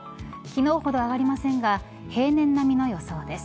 昨日ほど上がりませんが平年並みの予想です。